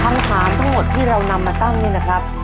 คำถามทั้งหมดที่เรานำมาตั้งนี่นะครับ